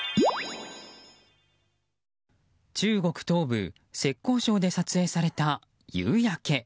中国東部・浙江省で撮影された夕焼け。